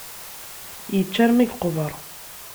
Yečča armi yeqber.